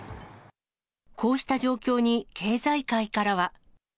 こうした状況に経済界からは。